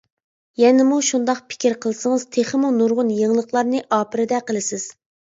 يەنىمۇ شۇنداق پىكىر قىلسىڭىز تېخىمۇ نۇرغۇن يېڭىلىقلارنى ئاپىرىدە قىلىسىز.